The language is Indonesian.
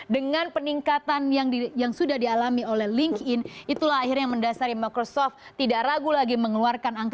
dengan peningkatan yang sudah dialami oleh linkedin itulah akhirnya yang mendasari microsoft tidak ragu lagi mengeluarkan angka